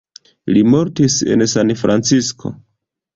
Li mortis en Sanfrancisko.